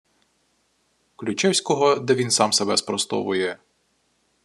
Ключевського, де він сам себе спростовує